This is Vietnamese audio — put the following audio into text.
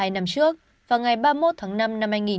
hai năm trước vào ngày ba mươi một tháng năm năm hai nghìn hai mươi